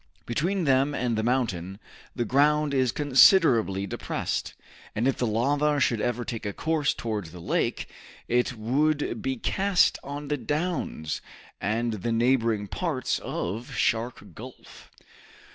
Between them and the mountain, the ground is considerably depressed, and if the lava should ever take a course towards the lake, it would be cast on the downs and the neighboring parts of Shark Gulf."